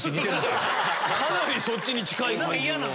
かなりそっちに近い感じ。